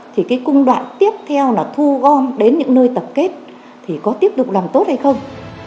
thì cái cung đoạn tiếp theo là thu gom đến những nơi tập kết thì có tiếp tục làm tốt hay không